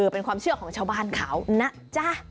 เป็นความเชื่อของชาวบ้านเขานะจ๊ะ